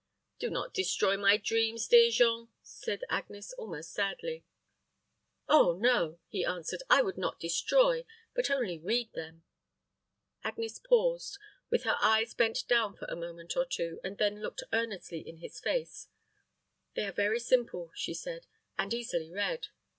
"Do not destroy my dreams, dear Jean," said Agnes, almost sadly. "Oh, no," he answered, "I would not destroy, but only read them." Agnes paused, with her eyes bent down for a moment or two, and then looked earnestly in his face: "They are very simple," she said, "and easily read.